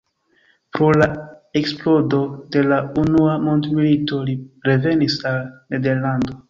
Pro la eksplodo de la Unua Mondmilito li revenis al Nederlando.